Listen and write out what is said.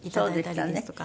そうでしたね。